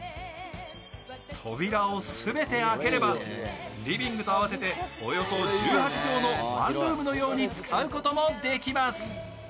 扉を全て開ければ、リビングと合わせておよそ１８畳のワンルームのように使うこともできます。